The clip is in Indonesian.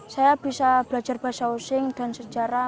saya bisa belajar bahasausing dan sejarah